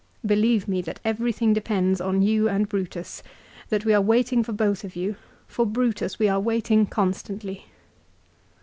" Believe me that everything depends on you and Brutus, that we are waiting for both of you. For Brutus we are waiting constantly."